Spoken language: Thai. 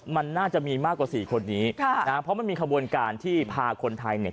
มันน่าจะมีมากกว่าสี่คนนี้ค่ะนะเพราะมันมีขบวนการที่พาคนไทยเนี่ย